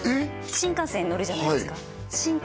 新幹線乗るじゃないですかはい